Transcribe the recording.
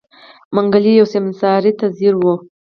منګلی يوې سيمسارې ته ځير و.